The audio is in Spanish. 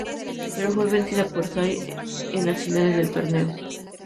Pero fue vencida por Sai en las finales del Torneo.